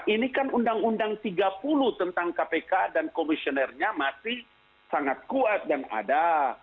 ini kan undang undang tiga puluh tentang kpk dan komisionernya masih sangat kuat dan ada